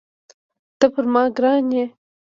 ته پر ما ګران یې.